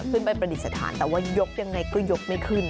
ไปประดิษฐานแต่ว่ายกยังไงก็ยกไม่ขึ้น